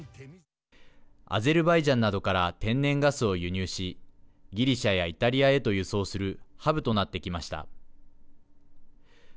アゼルバイジャンなどから天然ガスを輸入しギリシャやイタリアへと輸送するハブとなってきました。